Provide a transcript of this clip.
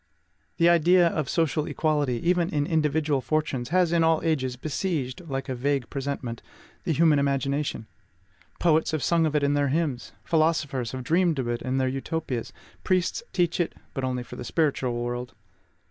The idea of social equality, even in individual fortunes, has in all ages besieged, like a vague presentiment, the human imagination. Poets have sung of it in their hymns; philosophers have dreamed of it in their Utopias; priests teach it, but only for the spiritual world.